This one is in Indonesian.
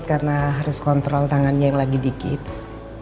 karena harus kontrol tangannya yang lagi di gips